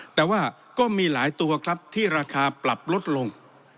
แต่ว่าก็มีหลายตัวครับที่ราคาปรับลดลง